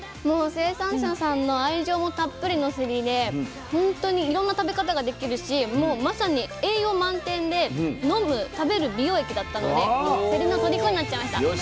もう生産者さんの愛情もたっぷりのせりで本当にいろんな食べ方ができるしもうまさに栄養満点で飲む食べる美容液だったのでせりのとりこになっちゃいました。